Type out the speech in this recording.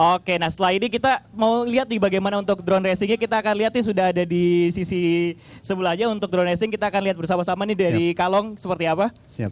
oke nah setelah ini kita mau lihat nih bagaimana untuk drone racingnya kita akan lihat nih sudah ada di sisi sebelah aja untuk dronesing kita akan lihat bersama sama nih dari kalong seperti apa